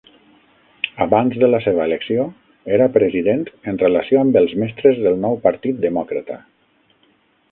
Abans de la seva elecció, era president en relació amb els mestres del Nou Partit Demòcrata.